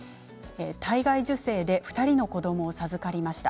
体外受精で２人の子どもを授かりました。